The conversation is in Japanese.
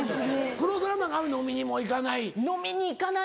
黒沢なんか飲みにも行かない。